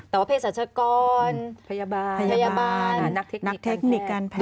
แต่ว่าเพศรัชกรพยาบาลพยาบาลนักเทคนิคการแพท